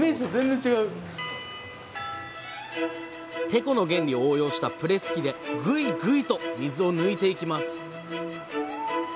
テコの原理を応用したプレス機でグイグイと水を抜いていきます。